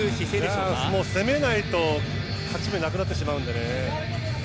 もう攻めないと勝ち目がなくなってしまうのでね。